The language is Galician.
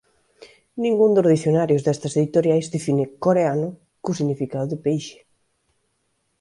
Ningún dos dicionarios destas editoriais define "coreano" co significado de peixe.